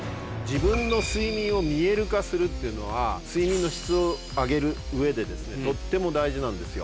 自分の睡眠を見える化するっていうのは睡眠の質を上げる上でとっても大事なんですよ。